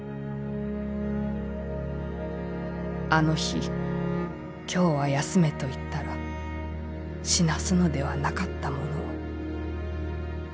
「あの日今日は休めと言ったら死なすのではなかったものを。